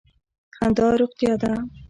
خندا روغتیا ده.